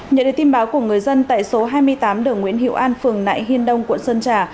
nhận được tin báo của người dân tại số hai mươi tám đường nguyễn hiệu an phường nại hiên đông quận sơn trà